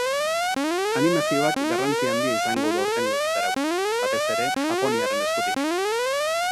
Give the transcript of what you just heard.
Animazioak garrantzi handia izango du aurtengo egitarauan, batez ere japoniarren eskutik.